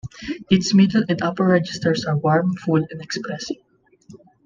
Its middle and upper registers are warm, full, and expressive.